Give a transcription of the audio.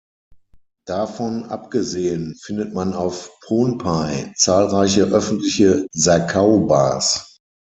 Davon abgesehen findet man auf Pohnpei zahlreiche öffentliche Sakau-Bars.